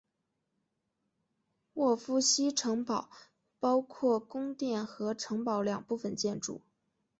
沃夫西城堡包括宫殿和城堡两部分建筑。